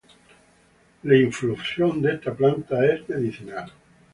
La infusión de esta planta es medicinal.